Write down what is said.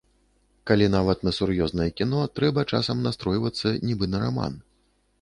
Калі нават на сур'ёзнае кіно трэба часам настройвацца нібы на раман.